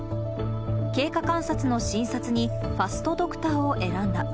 経過観察の診察にファストドクターを選んだ。